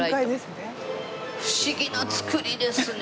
不思議な造りですね